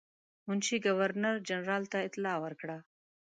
منشي ګورنر جنرال ته اطلاع ورکړه.